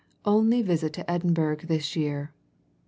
Only Visit to Edinburgh this Year.